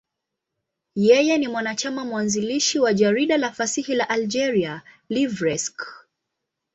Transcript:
Yeye ni mwanachama mwanzilishi wa jarida la fasihi la Algeria, L'Ivrescq.